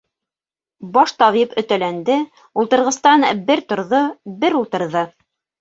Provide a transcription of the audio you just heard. - Баш табип өтәләнде, ултырғыстан бер торҙо, бер ултырҙы.